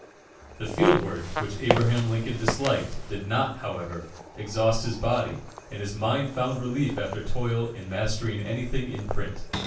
The field work, which Abraham Lincoln disliked, did not, however, exhaust his body, and his mind found relief after toil in mastering anything in print.